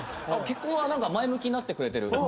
結婚は前向きになってくれてる。